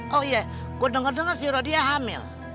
oh iya gue denger denger si rodia hamil